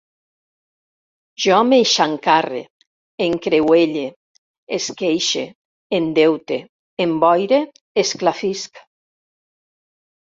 Jo m'eixancarre, encreuelle, esqueixe, endeute, emboire, esclafisc